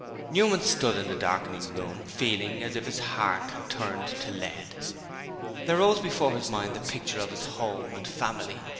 Newman stood in the darkening room feeling as if his heart had turned to lead. There rose before his mind the picture of his home and family.